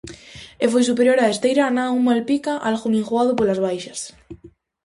E foi superior a Esteirana a un Malpica algo minguado polas baixas.